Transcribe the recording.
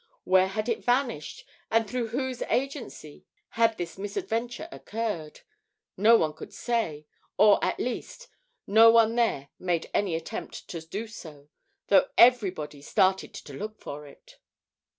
Where had it vanished, and through whose agency had this misadventure occurred? No one could say, or, at least, no one there made any attempt to do so, though everybody started to look for it.